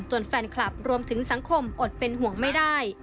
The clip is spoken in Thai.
แฟนคลับรวมถึงสังคมอดเป็นห่วงไม่ได้